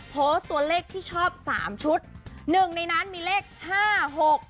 โพสต์ตัวเลขที่ชอบสามชุดหนึ่งในนั้นมีเลขห้าหก